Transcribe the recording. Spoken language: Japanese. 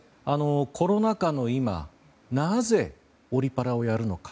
コロナ禍の今なぜ、オリパラをやるのか。